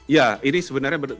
ya ini sebenarnya bergantung